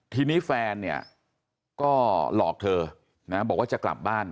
ทีนี้แฟนก็หลอกเธอบอกว่าจะกลับบ้าน